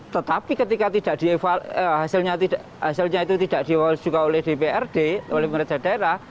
tetapi ketika hasilnya itu tidak diwas juga oleh dprd oleh pemerintah daerah